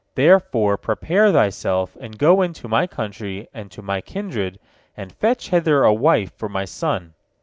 Therefore prepare thyself, and go unto my country, and to my kindred, and fetch hither a wife for my son."